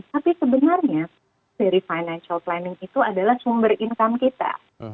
tapi sebenarnya dari financial planning itu adalah sumber income kita